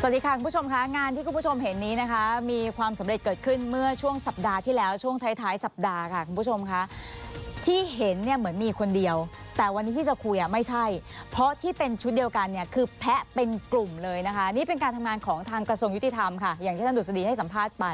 สวัสดีค่ะคุณผู้ชมค่ะงานที่คุณผู้ชมเห็นนี้นะคะมีความสำเร็จเกิดขึ้นเมื่อช่วงสัปดาห์ที่แล้วช่วงท้ายท้ายสัปดาห์ค่ะคุณผู้ชมค่ะที่เห็นเนี่ยเหมือนมีคนเดียวแต่วันนี้ที่จะคุยอ่ะไม่ใช่เพราะที่เป็นชุดเดียวกันเนี่ยคือแพะเป็นกลุ่มเลยนะคะนี่เป็นการทำงานของทางกระทรวงยุติธรรมค่ะอย่างที่ท่านดุษฎีให้สัมภาษณ์ไป